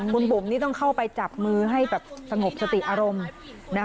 คุณบุ๋มต้องเข้าไปจับมือให้สงบอารมณ์